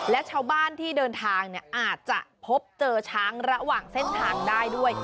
และชาวบ้านที่เดินทางอาจจะพบเจอช้างระหว่างเส้นทางได้ด้วย